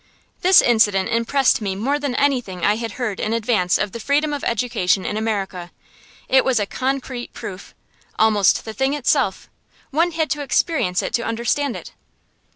This incident impressed me more than anything I had heard in advance of the freedom of education in America. It was a concrete proof almost the thing itself. One had to experience it to understand it.